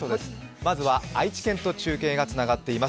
まずは愛知県と中継がつながっています。